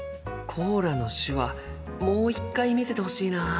コーラの手話もう一回見せてほしいなあ。